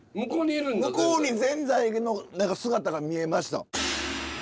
向こうにぜんざいの姿が見えました。